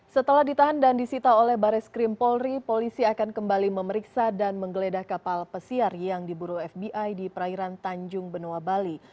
setelah ditahan dan disita oleh baris krim polri polisi akan kembali memeriksa dan menggeledah kapal pesiar yang diburu fbi di perairan tanjung benoa bali